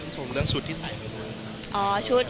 ชมเรื่องชุดที่ใส่ไหม